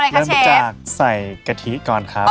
เราจะใส่กะทิก่อนครับ